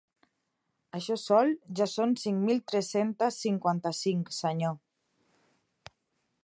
Això sol ja són cinc-mil tres-centes cinquanta-cinc, senyor.